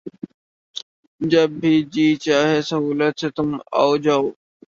جب بھی جی چاہے سہولت سے تُم آؤ جاؤ